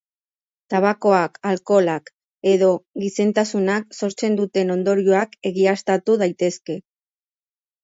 Tabakoak, alkoholak edo gizentasunak sortzen duten ondorioak egiaztatu daitezke.